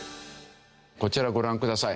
こちらご覧ください。